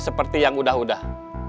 seperti yang udah udah